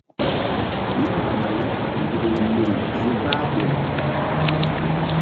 Ɓil mbamay nzukri niŋ si kpah ɓoy.